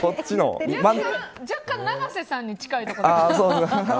若干長瀬さんに近いところが。